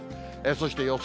そして予想